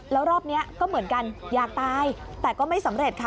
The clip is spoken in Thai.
แล้วรอบนี้ก็เหมือนกันอยากตายแต่ก็ไม่สำเร็จค่ะ